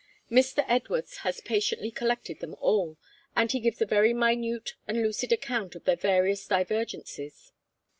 Mr. Edwards has patiently collected them all, and he gives a very minute and lucid account of their various divergencies.